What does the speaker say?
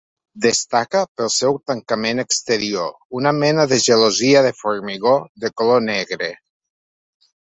Destaca pel seu tancament exterior, una mena de gelosia de formigó de color negre.